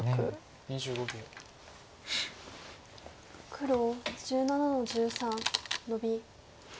黒１７の十三ノビ。